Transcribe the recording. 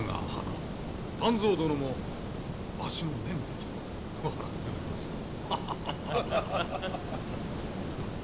湛増殿もわしの念力と笑っておりました。